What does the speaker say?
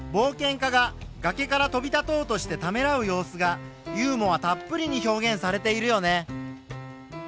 家ががけから飛び立とうとしてためらう様子がユーモアたっぷりに表現されているよね。